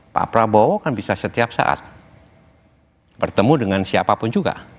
pak prabowo kan bisa setiap saat bertemu dengan siapapun juga